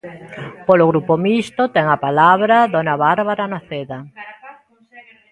Polo Grupo Mixto, ten a palabra dona Bárbara Noceda.